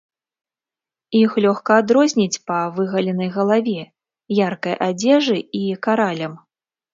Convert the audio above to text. Іх лёгка адрозніць па выгаленай галаве, яркай адзежы і каралям.